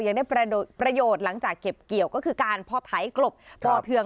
ยังได้ประโยชน์หลังจากเก็บเกี่ยวก็คือการพอไถกลบป่อเทือง